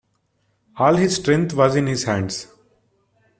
All his strength was in his hands.